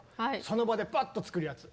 その場でバッと作るやつ。